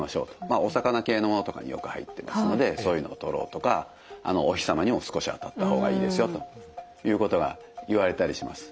お魚系のものとかによく入ってますのでそういうのをとろうとかお日様にも少し当たった方がいいですよということが言われたりします。